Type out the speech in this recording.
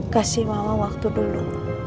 kasih mama waktu dulu